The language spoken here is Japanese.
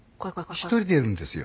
１人でやるんですよ。